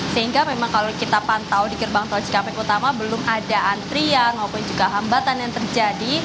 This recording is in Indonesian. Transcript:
sehingga memang kalau kita pantau di gerbang tol cikampek utama belum ada antrian maupun juga hambatan yang terjadi